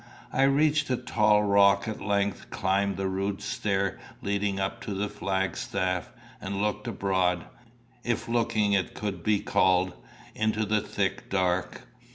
I reached the tall rock at length, climbed the rude stair leading up to the flagstaff, and looked abroad, if looking it could be called, into the thick dark.